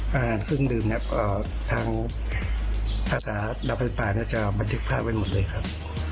อาหารเครื่องดื่มเนี่ยทางภาษาดับไฟป่าเนี่ยจะบันทึกภาพไว้หมดเลยครับ